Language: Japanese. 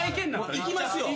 いきますよ。